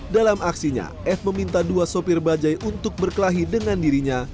dalam aksinya f meminta dua sopir bajai untuk berkelahi dengan dirinya